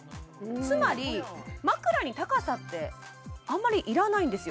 つまり枕に高さってあんまり要らないんですよ